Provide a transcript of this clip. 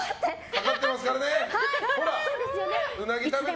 かかってますからね。